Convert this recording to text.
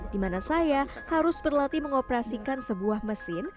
di mana saya harus berlatih mengoperasikan sebuah mesin